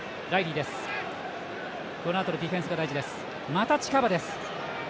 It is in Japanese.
また近場です。